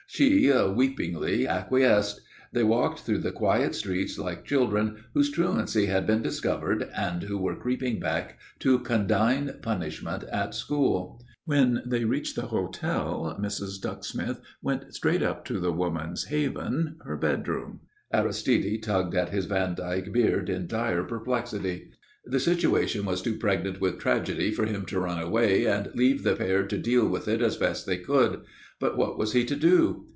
She weepingly acquiesced. They walked through the quiet streets like children whose truancy had been discovered and who were creeping back to condign punishment at school. When they reached the hotel, Mrs. Ducksmith went straight up to the woman's haven, her bedroom. Aristide tugged at his Vandyke beard in dire perplexity. The situation was too pregnant with tragedy for him to run away and leave the pair to deal with it as best they could. But what was he to do?